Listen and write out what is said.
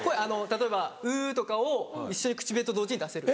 例えば「うぅ」とかを一緒に口笛と同時に出せる。